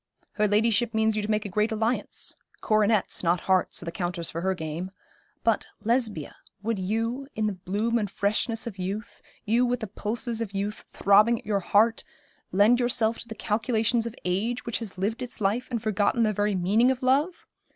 Her ladyship means you to make a great alliance coronets, not hearts, are the counters for her game; but, Lesbia, would you, in the bloom and freshness of youth you with the pulses of youth throbbing at your heart lend yourself to the calculations of age which has lived its life and forgotten the very meaning of love?